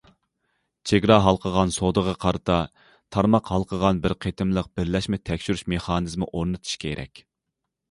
چېگرا ھالقىغان سودىغا قارىتا تارماق ھالقىغان بىر قېتىملىق بىرلەشمە تەكشۈرۈش مېخانىزمى ئورنىتىش كېرەك.